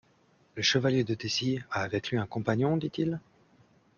Le chevalier de Tessy a avec lui un compagnon ? dit-il.